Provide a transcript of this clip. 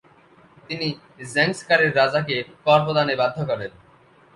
তিনি জাংস্কারের রাজাকে কর প্রদানে বাধ্য করেন।